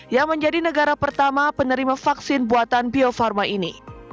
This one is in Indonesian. yang menjadi negara pertama penerima vaksin buatan bio farma ini